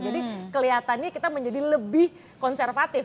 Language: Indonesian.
jadi kelihatannya kita menjadi lebih konservatif